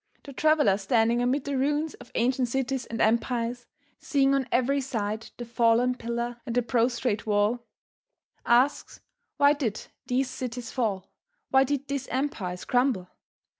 The traveler standing amid the ruins of ancient cities and empires, seeing on every side the fallen pillar and the prostrate wall, asks why did these cities fall, why did these empires crumble?